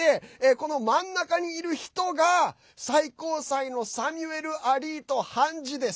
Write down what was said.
この真ん中にいる人が最高裁のサミュエル・アリート判事です。